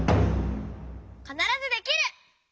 「かならずできる！」。